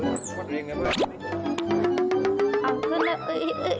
เอาขึ้นนะ